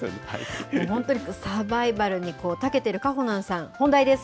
でも本当にサバイバルにたけてるかほなんさん、本題です。